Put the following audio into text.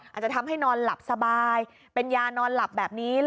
อาจจะทำให้นอนหลับสบายเป็นยานอนหลับแบบนี้